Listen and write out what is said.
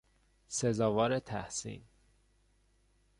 سزاوار تحسین